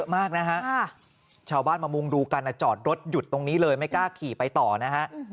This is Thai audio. มากนะฮะชาวบ้านมามุงดูกันจอดรถหยุดตรงนี้เลยไม่กล้าขี่ไปต่อนะฮะ